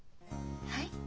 はい？